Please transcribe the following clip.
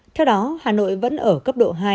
theo đó hà nội vẫn ở cấp độ hai